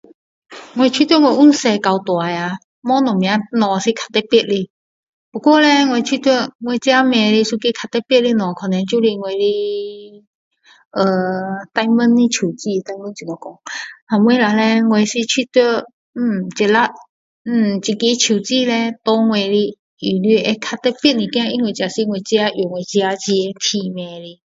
我觉得我从小到大，无什么物是很特别的。不过勒，我觉得我自买的一个较特别的物可能是我的 ehh diamond 的戒指，diamond 怎么讲？然后呢我是觉得 ehh 这粒 ehh 这个戒指拿我的意思会较特别一点，因为这是我自己用自己钱赚买的。